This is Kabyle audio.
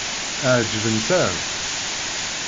Ɛeǧbent-am?